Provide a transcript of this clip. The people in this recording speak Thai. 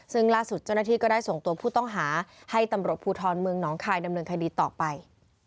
ซึ่งล่าสุดเจ้าหน้าที่ก็ได้ส่งตัวผู้ต้องหาให้ตำรวจภูทรเมืองหนองคายดำเนินคดีต่อไป